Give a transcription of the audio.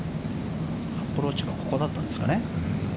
アプローチがここだったんですかね。